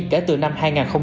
kể từ năm hai nghìn tám